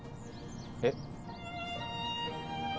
えっ？